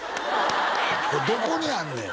これどこにあんねん